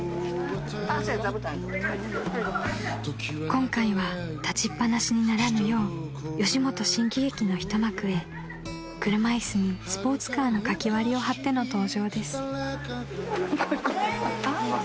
［今回は立ちっ放しにならぬよう吉本新喜劇の一幕へ車椅子にスポーツカーの書き割りを貼っての登場です］